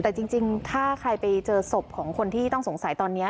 แต่จริงถ้าใครไปเจอศพของคนที่ต้องสงสัยตอนนี้